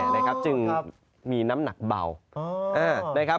นะครับจึงมีน้ำหนักเบานะครับ